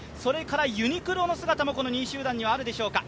ユニクロの姿も２位集団にはあるでしょうか。